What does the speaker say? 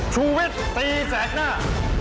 ชุวิตตีแสกหน้า